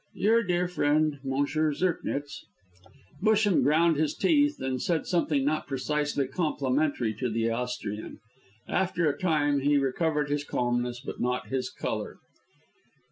"Your dear friend, M. Zirknitz." Busham ground his teeth, and said something not precisely complimentary to the Austrian. After a time he recovered his calmness, but not his colour.